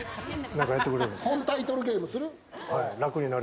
本タイトルゲームする？